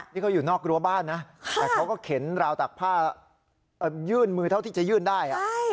นี่เขาอยู่นอกรั้วบ้านนะแต่เขาก็เข็นราวตักผ้ายื่นมือเท่าที่จะยื่นได้